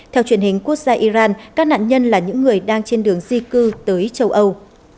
theo truyền hình quốc gia iran các nạn nhân là những người đang trên đường di cư tới châu âu